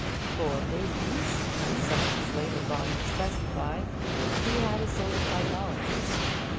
For babies, as some of his later volumes testify, he had a sort of idolatry.